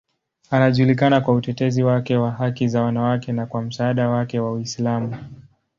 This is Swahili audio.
Anajulikana kwa utetezi wake wa haki za wanawake na kwa msaada wake wa Uislamu.